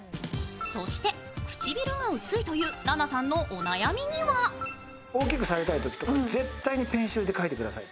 そして唇が薄いというＮＡＮＡさんのお悩みには大きくされたいときとか絶対にペンシルで描いてください。